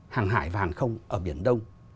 hàng hải và hàng không ở biển đông